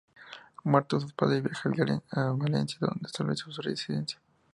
Muertos sus padres, viajó a Valencia donde estableció su residencia.